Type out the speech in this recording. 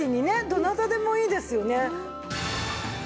どなたでもいいですよね。